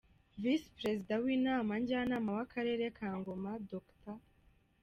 Visi Perezida w’Inama Njyanama w’Akarere ka Ngoma Dr.